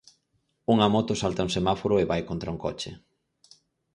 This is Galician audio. Unha moto salta un semáforo é vai contra un coche.